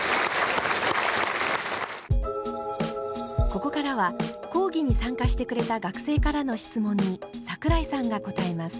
ここからは講義に参加してくれた学生からの質問に桜井さんが答えます。